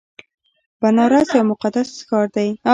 بنارس یو مقدس ښار دی.